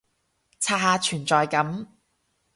刷下存在感